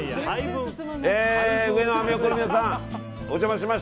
上野アメ横の皆さんお邪魔しました。